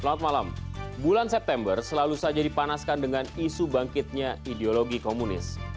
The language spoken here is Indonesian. selamat malam bulan september selalu saja dipanaskan dengan isu bangkitnya ideologi komunis